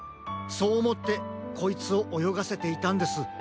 そうおもってこいつをおよがせていたんです。